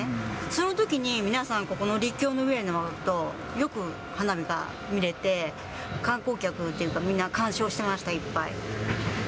そのときに皆さん、ここの陸橋の上に上ると、よく花火が見れて、観光客、みんな観賞してました、いっぱい。